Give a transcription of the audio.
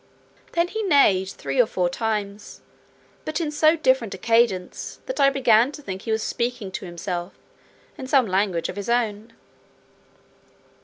Then he neighed three or four times, but in so different a cadence, that I almost began to think he was speaking to himself, in some language of his own.